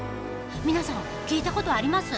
皆さん聞いたことあります？